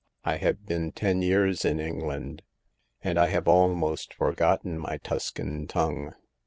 " I have been ten years in England, and I have almost forgotten my Tuscan tongue.